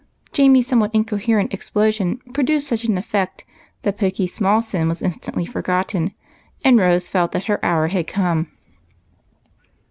Jamie's somewhat incoherent explosion produced such an effect that Pokey's small sin was instantly forgotten, and Rose felt that her hour had come.